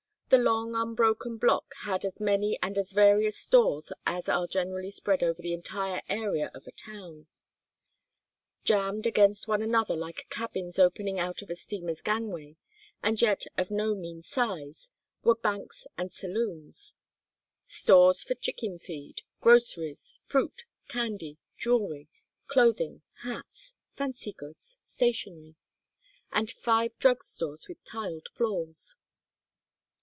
The long unbroken block had as many and as various stores as are generally spread over the entire area of a town. Jammed against one another like cabins opening out of a steamer's gangway, and yet of no mean size, were banks and saloons; stores for chicken feed, groceries, fruit, candy, jewelry, clothing, hats, fancy goods, stationery; and five drug stores with tiled floors.